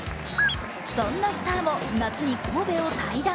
そんなスターも夏に神戸を退団。